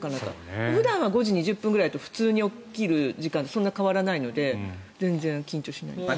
普段は５時２０分くらい普通に起きる時間でそんなに変わらないので全然緊張しないです。